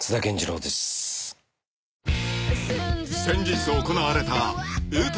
［先日行われたウタ